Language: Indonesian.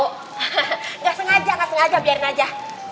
tidak sengaja tidak sengaja biarkan saja